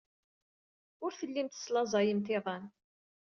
Ur tellimt teslaẓayemt iḍan.